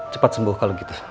cepat sembuh kalo gitu